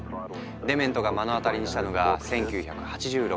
デメントが目の当たりにしたのが１９８６年。